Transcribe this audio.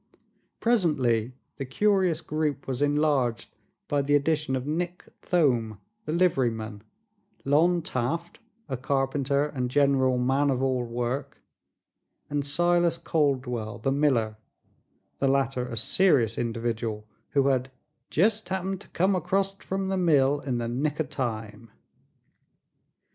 Presently the curious group was enlarged by the addition of Nick Thome the liveryman, Lon Taft, a carpenter and general man of all work, and Silas Caldwell the miller, the latter a serious individual who had "jest happened to come acrost from the mill in the nick o' time."